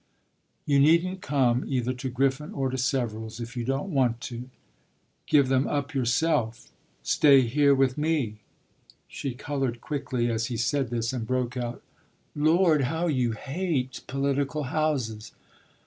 "You needn't come either to Griffin or to Severals if you don't want to." "Give them up yourself; stay here with me!" She coloured quickly as he said this, and broke out: "Lord, how you hate political houses!"